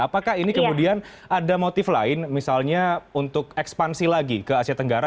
apakah ini kemudian ada motif lain misalnya untuk ekspansi lagi ke asia tenggara